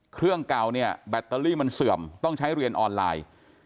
เครื่องเก่าเนี่ยแบตเตอรี่มันเสื่อมต้องใช้เรียนออนไลน์